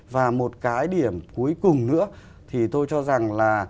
và một cái điểm cuối cùng nữa thì tôi cho rằng là